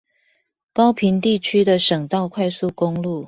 高屏地區的省道快速公路